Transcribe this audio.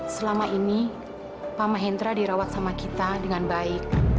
selama ini pak mahendra dirawat sama kita dengan baik